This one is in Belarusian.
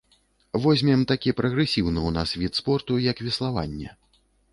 Возьмем такі прагрэсіўны ў нас від спорту, як веславанне.